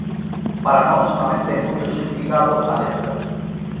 Para nós tamén ten moito significado a letra.